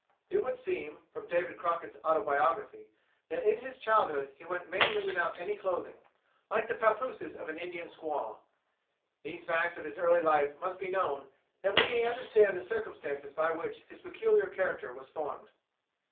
It would seem, from David Crockett's autobiography, that in his childhood he went mainly without any clothing, like the pappooses of an Indian squaw. These facts of his early life must be known, that we may understand the circumstances by which his peculiar character was formed.